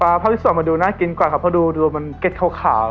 ปลาภาพที่๒มันดูน่ากินกว่าครับเพราะดูมันเก็ดขาวอ่ะ